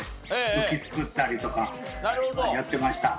ウキ作ったりとかやってました。